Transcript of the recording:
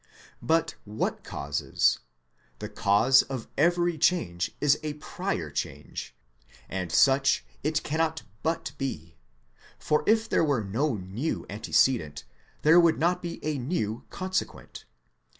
But what causes? The cause of every change is a prior change; and such it cannot but be; for if there were no new antecedent, there would not be a new consequent.